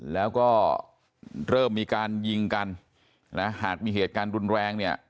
แล้วก็เริ่มมีการยิงกันนะหากมีเหตุการณ์รุนแรงเนี่ย